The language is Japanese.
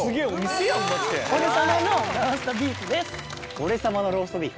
「俺様のローストビーフ？」